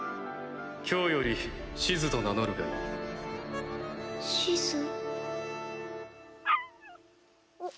今日よりシズと名乗るがいいシズ？